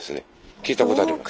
聞いたことがあります。